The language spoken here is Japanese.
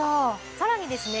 さらにですね